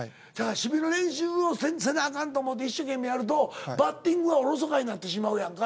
守備の練習をせなあかんと思って一生懸命やるとバッティングがおろそかになってしまうやんか。